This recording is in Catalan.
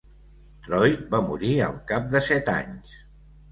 Troy va morir al cap de set anys.